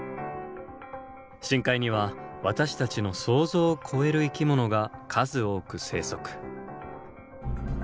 深海には私たちの想像を超える生き物が数多く生息。